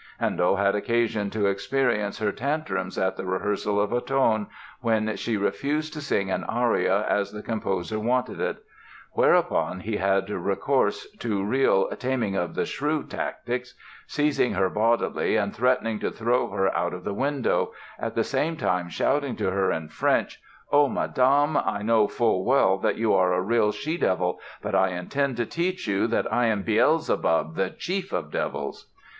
Handel had occasion to experience her tantrums at the rehearsals of "Ottone", when she refused to sing an aria as the composer wanted it; whereupon he had recourse to real "Taming of the Shrew" tactics, seized her bodily and threatened to throw her out of the window, at the same time shouting to her in French: "Oh, Madame, I know full well that you are a real she devil; but I intend to teach you that I am Beelzebub, the Chief of Devils!"